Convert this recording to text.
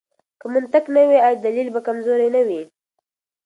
که منطق نه وي، آیا دلیل به کمزوری نه وي؟